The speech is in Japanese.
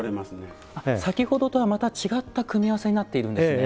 先ほどとはまた違った組み合わせになっているんですね。